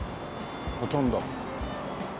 ほとんど。